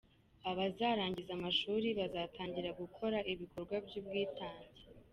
Abazarangiza amashuri bazatangira gukora ibikorwa by’ubwitange